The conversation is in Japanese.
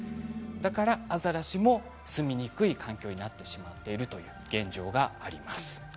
だからアザラシも住みにくい環境になってしまっているという現状があります。